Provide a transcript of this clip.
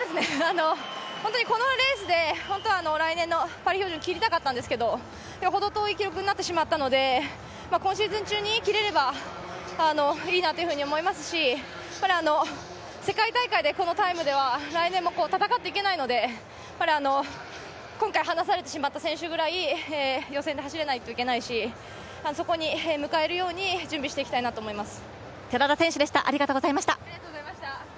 本当にこのレースで来年のパリ五輪を切りたかったんですけどほど遠い記録になってしまったので今シーズン中に切れればいいなと思いますし、世界大会でこのタイムでは来年も戦っていけないので、今回、離されてしまった選手ぐらい予選で趨れないといけないしそこに向かえるように準備していきたいなと思います。